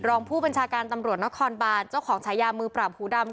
รองผู้บัญชาการตำรวจนครบานเจ้าของฉายามือปราบหูดำ